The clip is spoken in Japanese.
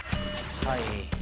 はい。